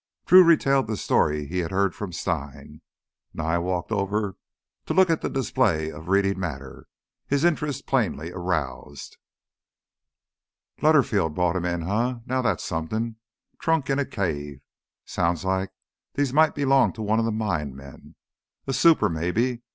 Drew retailed the story he had heard from Stein. Nye walked over to look at the display of reading matter, his interest plainly aroused. "Lutterfield brought 'em in, eh? Now that's somethin'. Trunk in a cave ... Sounds like these might belong to one of them mine men—a super, maybe.